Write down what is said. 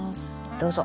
どうぞ。